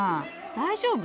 大丈夫？